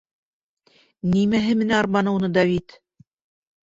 Нимәһе менән арбаны уны Давид?